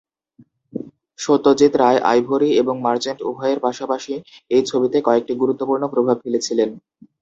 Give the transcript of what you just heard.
Satyajit Ray Ivory এবং Merchant উভয়ের পাশাপাশি এই ছবিতে একটি গুরুত্বপূর্ণ প্রভাব ফেলেছিলেন।